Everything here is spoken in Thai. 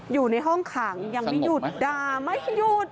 อยู่ในห้องขังยังไม่หยุดด่าไม่หยุด